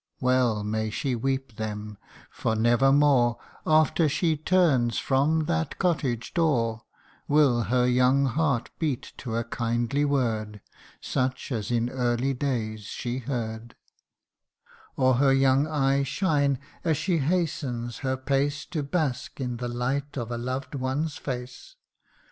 88 THE UNDYING ONE. Well may she weep them, for never more, After she turns from that cottage door, Will her young heart beat to a kindly word, Such as in early days she heard : Or her young eye shine, as she hastens her pace To bask in the light of a loved one's face.